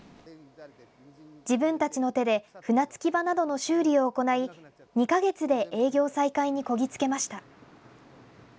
自分たちの手で、船着き場などの修理を行い、２か月で営業再開にこぎ着けました。